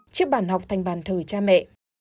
chiếc bàn học thành bàn thờ cha mẹ